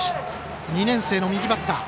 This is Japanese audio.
２年生の右バッター。